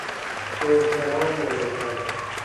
به احترام مردگان